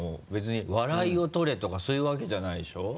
別に笑いを取れとかそういうわけじゃないでしょ？